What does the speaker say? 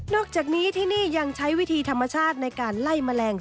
อกจากนี้ที่นี่ยังใช้วิธีธรรมชาติในการไล่แมลง